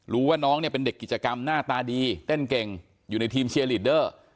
รู้ว่าน้องเนี่ยเป็นเด็กกิจกรรมหน้าตาดีเต้นเก่งอยู่ในทีมเชียร์ลีดเดอร์